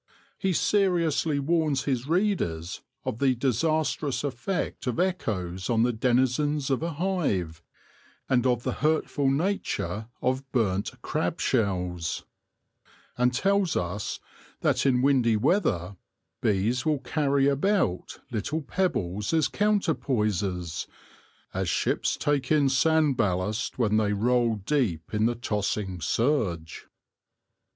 He seriously warns his readers of the disastrous effect of echoes on the denizens of a hive, and of the hurtful nature of burnt crab shells ; and tells us that in windy weather bees will carry about little pebbles as counterpoises, " as ships take in sand ballast when they roll deep in the tossing surge."